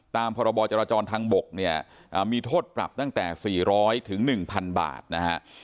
ตามพรบจราจรทางบกเนี่ยมีโทษปรับตั้งแต่๔๐๐ถึง๑๐๐บาทนะฮะ